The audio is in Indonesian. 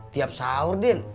tiap sahur din